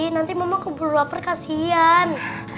nanti mama kubur lapar kasihan